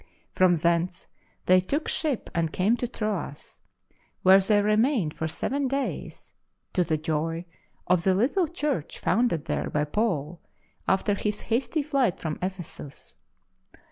From thence they took ship and came to Troas, where they remained for seven days, to the joy of the little Church founded there by Paul after his hasty flight from Ephesus.